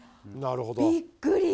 びっくり。